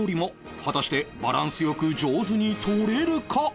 果たしてバランス良く上手に取れるか？